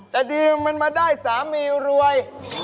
แต่ดีมันมาได้สามีรวย